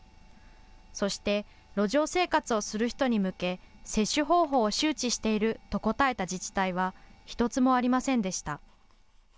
そして、路上生活をする人に向け接種方法を周知していると答えた自治体は１つもありませんでした。